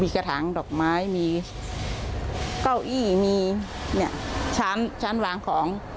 มีวิกระถังดอกไม้มีเก้าอี้มีเนี่ยชั้นชั้นวางของ